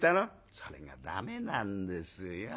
「それが駄目なんですよ。